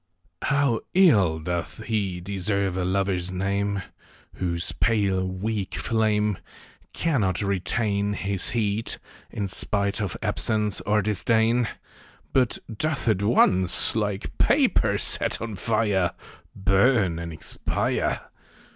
HOW ill doth lie deserve a Lover's name Whose pale weak flame Cannot retain His heat, in spite of absence or disdain ; But doth at once, like paper set on fire, Burn and expire